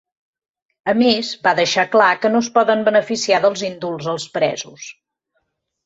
A més, va deixar clar que no es poden beneficiar dels indults als presos.